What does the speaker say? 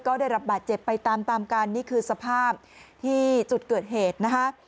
ก็ได้รับบาดเจ็บไปตามตามกันนี่คือสภาพที่จุดเกิดเหตุนะคะ